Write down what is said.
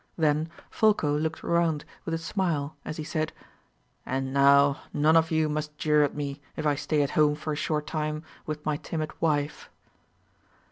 Then Folko looked around with a smile as he said, "And now none of you must jeer at me, if I stay at home for a short time with my timid wife."